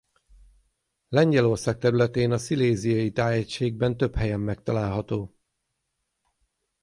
Lengyelország területén a sziléziai tájegységben több helyen megtalálható.